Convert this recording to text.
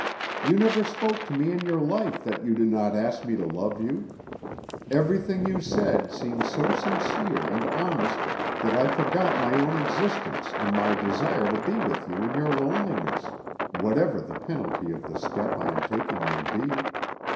You never spoke to me in your life that you did not ask me to love you. Everything you said seemed so sincere and honest, that I forgot my own existence in my desire to be with you in your loneliness, whatever the penalty of the step I am taking may be.